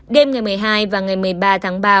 đêm ngày một mươi hai và ngày một mươi ba tháng ba